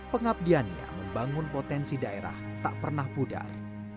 pengabdiannya membangun potensi daerah tak pernah pudar